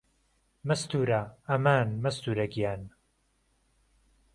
مەستوورە ئەمان مەستوورە گیان